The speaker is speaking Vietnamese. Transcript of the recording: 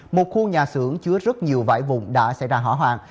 một khu nhà xưởng chứa rất nhiều vải vụn đã xảy ra hỏa hoạn